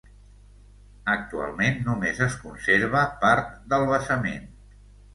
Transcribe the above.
Actualment només es conserva part del basament.